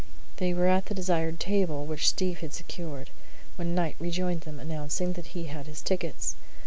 They were at the desired table, which Steve had secured, when Knight rejoined them, announcing that he had his tickets.